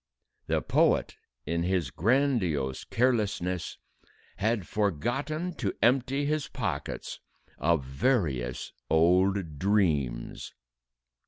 The poet, in his grandiose carelessness, had forgotten to empty his pockets of various old dreams!